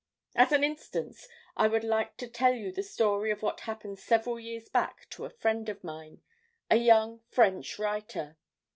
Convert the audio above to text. "As an instance I would like to tell you the story of what happened several years back to a friend of mine, a young French writer.